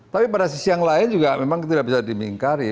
tapi pada sisi yang lain juga memang tidak bisa dimingkari